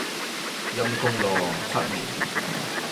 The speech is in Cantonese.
陰功咯，七年